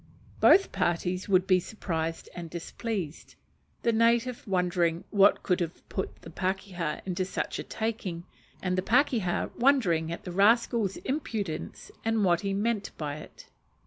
Both parties would be surprised and displeased; the native wondering what could have put the pakeha into such a taking, and the pakeha "wondering at the rascal's impudence, and what he meant by it?"